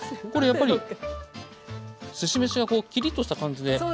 これやっぱりすし飯がキリッとした感じで。